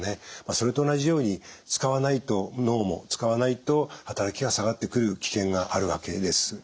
それと同じように使わないと脳も使わないと働きが下がってくる危険があるわけです。